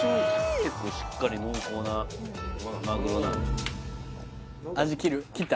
結構しっかり濃厚なマグロだ切った？